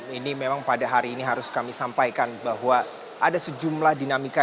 ini memang pada hari ini harus kami sampaikan bahwa ada sejumlah dinamika